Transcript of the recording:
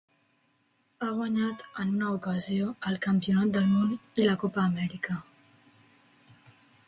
Ha guanyat en una ocasió el campionat del món i la Copa Amèrica.